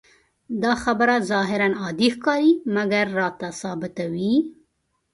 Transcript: دا خبره ظاهراً عادي ښکاري، مګر راته ثابتوي.